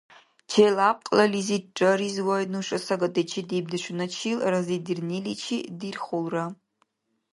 Челябкьлализирра Ризвай нуша сагати чедибдешуначил разидирниличи дирхулра.